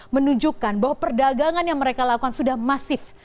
menunjukkan bahwa perdagangan yang mereka lakukan sudah masif